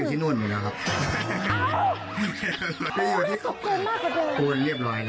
ถูกกันเรียบร้อยฮะ